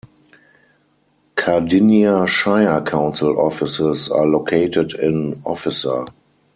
Cardinia Shire Council Offices are located in Officer.